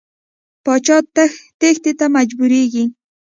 پاچا تېښتې ته مجبوریږي.